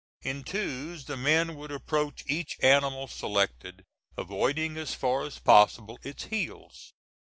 In two's the men would approach each animal selected, avoiding as far as possible its heels.